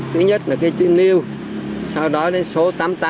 thứ nhất là cái chữ niêu sau đó đến số tám mươi tám